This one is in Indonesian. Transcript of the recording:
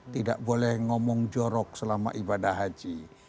tidak boleh ngomong jorok selama ibadah haji